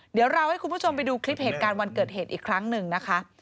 เดี๋ยวเราให้คุณผู้ชมไปดูคลิปเหตุการณ์วันเกิดเหตุอีกครั้งหนึ่งนะคะ